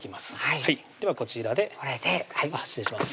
はいではこちらで失礼します